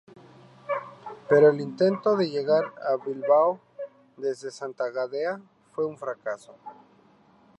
Pero el intento de llegar a Bilbao desde Santa Gadea fue un fracaso.